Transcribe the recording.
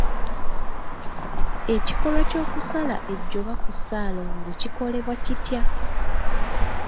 Ekikolwa ky’okusala ejjoba ku ssaalongo kikolebwa kitya?